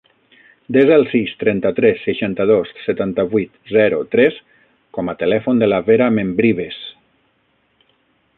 Desa el sis, trenta-tres, seixanta-dos, setanta-vuit, zero, tres com a telèfon de la Vera Membrives.